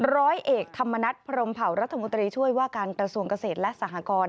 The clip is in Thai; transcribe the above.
ร้อยเอกธรรมนัฐพรมเผารัฐมนตรีช่วยว่าการกระทรวงเกษตรและสหกร